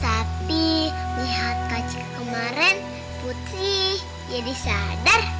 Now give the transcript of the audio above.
tapi lihat kak cika kemarin putri jadi sadar